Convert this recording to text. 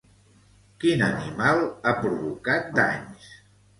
Quin animal ha provocat danys?